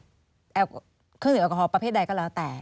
เครื่องดื่มแอลกอฮอลประเภทใดก็แล้วแต่